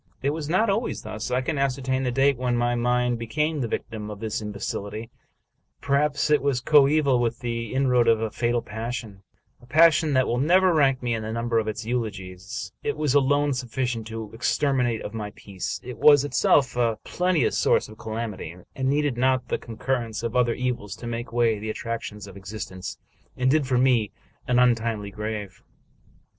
It was not always thus. I can ascertain the date when my mind be came the victim of this imbecility ; perhaps it was coeval with the inroad of a fatal passion, — a passion that will never rank me in the number of its eulogists ; it was alone suffi cient to the extermination of my peace ; it was itself a plente ous source of calamity, and needed not the concurrence of other evils to take away the attractions of existence and dig for me an untimely grave.